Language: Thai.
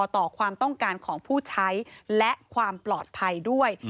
ต่อความต้องการของผู้ใช้และความปลอดภัยด้วย